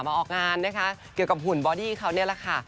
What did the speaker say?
ออกงานนะคะเกี่ยวกับหุ่นบอดี้เขานี่แหละค่ะ